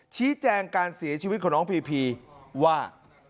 ชี้แจงการเสียชีวิตของน้องพีพีว่า